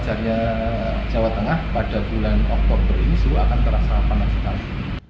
sedangkan pada bulan oktober ini semua akan terasa panas sekali